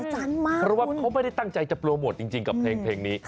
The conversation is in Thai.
จันทร์มากเพราะว่าเขาไม่ได้ตั้งใจจะโปรโมทจริงกับเพลงนี้